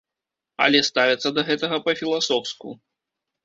Але ставяцца да гэтага па-філасофску.